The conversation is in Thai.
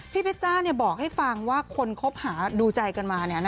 เพชรจ้าบอกให้ฟังว่าคนคบหาดูใจกันมา